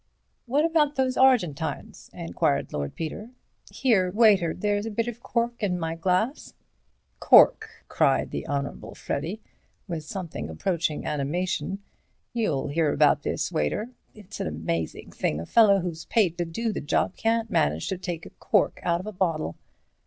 "What about those Argentines?" enquired Lord Peter. "Here, waiter, there's a bit of cork in my glass." "Cork?" cried the Honourable Freddy, with something approaching animation; "you'll hear about this, waiter. It's an amazing thing a fellow who's paid to do the job can't manage to take a cork out of a bottle.